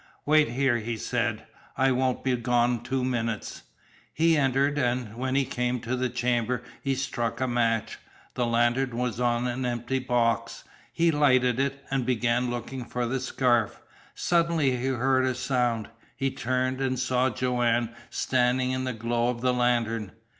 "Wait here," he said. "I won't be gone two minutes." He entered, and when he came to the chamber he struck a match. The lantern was on the empty box. He lighted it, and began looking for the scarf. Suddenly he heard a sound. He turned, and saw Joanne standing in the glow of the lantern.